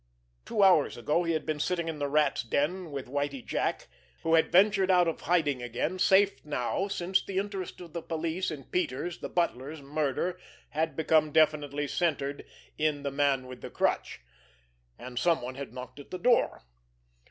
Two hours ago he had been sitting in the Rat's den with Whitie Jack—who had ventured out of hiding again, safe now since the interest of the police in Peters', the butler's, murder had become definitely centered in the Man with the Crutch—and someone had knocked at the door.